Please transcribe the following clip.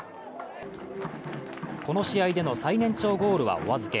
この試合での最年長ゴールはお預け。